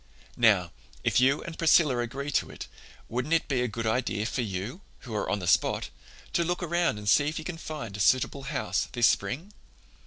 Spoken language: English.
"Now, if you and Priscilla agree to it, wouldn't it be a good idea for you, who are on the spot, to look around and see if you can find a suitable house this spring?